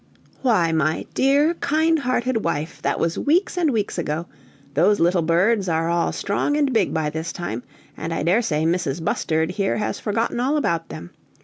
"Why, my dear, kind hearted wife, that was weeks and weeks ago! Those little birds are all strong and big by this time, and I dare say Mrs. Bustard here has forgotten all about them.